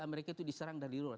mereka itu diserang dari luar